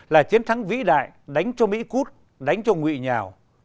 là chiến thắng vĩ đại đánh cho mỹ cút đánh cho nguyễn nhào